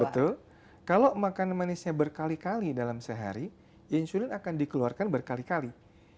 betul kalau makan manisnya berkali kali dalam sehari insulin akan dikeluarkan berkali kali